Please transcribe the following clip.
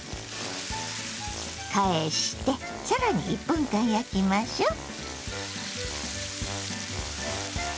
返して更に１分間焼きましょう。